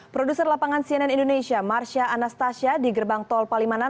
produser lapangan cnn indonesia marsha anastasia di gerbang tol palimanan